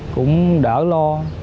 cũng đỡ lo